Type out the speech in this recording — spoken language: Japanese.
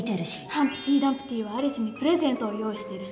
ハンプティ・ダンプティはアリスにプレゼントを用意してるし。